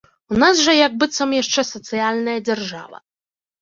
У нас жа як быццам яшчэ сацыяльная дзяржава.